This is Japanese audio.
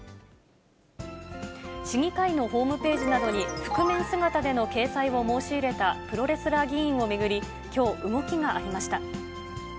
市議会のホームページなどに、覆面姿での掲載を申し入れたプロレスラー議員を巡り、きょう、動きがありました。